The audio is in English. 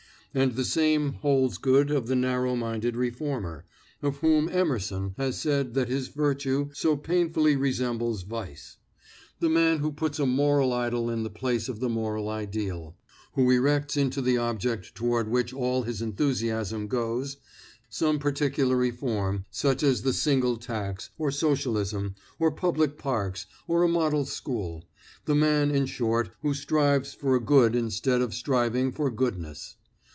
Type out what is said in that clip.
And the same holds good of the narrow minded reformer, of whom Emerson has said that his virtue so painfully resembles vice; the man who puts a moral idol in the place of the moral ideal, who erects into the object toward which all his enthusiasm goes some particular reform, such as the single tax, or socialism, or public parks, or a model school; the man, in short, who strives for a good instead of striving for goodness.